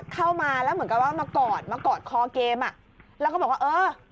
เข้ามาแล้วเหมือนกับว่ามากอดมากอดคอเกมอ่ะแล้วก็บอกว่าเออ